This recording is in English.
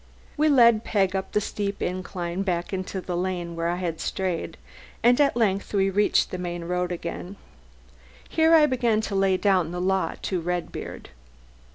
We led Peg up the steep incline, back into the lane where I had strayed, and at length we reached the main road again. Here I began to lay down the law to Redbeard.